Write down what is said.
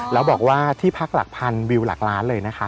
แล้วบอกว่าที่พักหลักพันวิวหลักล้านเลยนะคะ